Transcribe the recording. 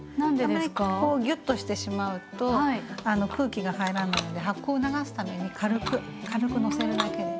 あまりここをぎゅっとしてしまうと空気が入らないので発酵を促すために軽くのせるだけで。